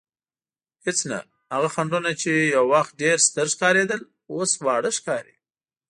هېڅ نه، هغه خنډونه چې یو وخت ډېر ستر ښکارېدل اوس واړه ښکاري.